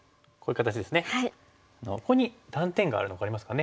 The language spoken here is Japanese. ここに断点があるの分かりますかね。